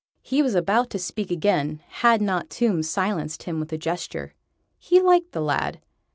He was about to speak again, had not Tomb silenced him with a gesture. He liked the lad.